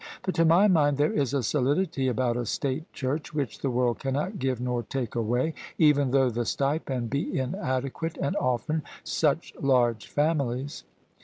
But to my mind there is a solidity about a State Church which the world cannot give nor take away, even though the stipend be inadequate and often such large families.